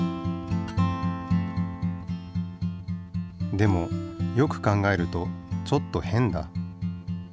でもよく考えるとちょっと変だ。